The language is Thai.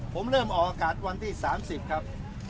ผมเริ่มออกอากาศวันที่๓๐ครับ